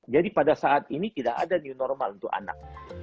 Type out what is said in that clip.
jadi pada saat ini tidak ada new normal untuk anak